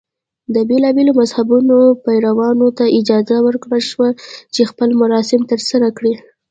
د بېلابېلو مذهبونو پیروانو ته اجازه ورکړل شوه چې خپل مراسم ترسره کړي.